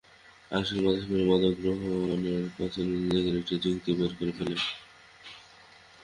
আসলে মাদকসেবীরা মাদক গ্রহণের পেছনে নিজেরাই একটা যুক্তি বের করে ফেলে।